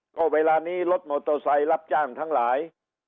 ก็เวลานี้รถมอเตอร์ไซค์รับจ้างทั้งหลาย